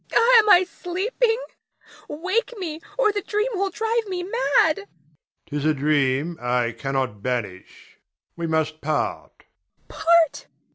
Ah, am I sleeping? Wake me or the dream will drive me mad. Adrian. 'Tis a dream I cannot banish. We must part.